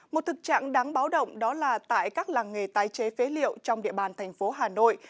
một thực trạng đáng báo động đó là tại các làng nghề tái chế phế liệu trong địa bàn thành phố hà nội